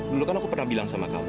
dulu kan aku pernah bilang sama kamu